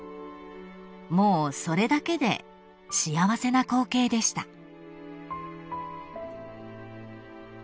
［もうそれだけで幸せな光景でした］